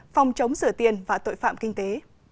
phòng chống sửa tiền và tội phạm kinh tế